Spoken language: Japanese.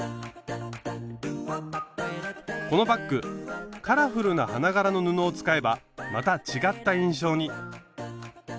このバッグカラフルな花柄の布を使えばまた違った印象に。